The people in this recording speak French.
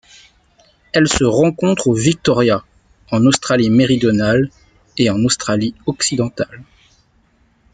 Elle se rencontre au Victoria, en Australie-Méridionale et en Australie-Occidentale.